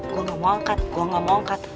gue gak mau angkat gue gak mau angkat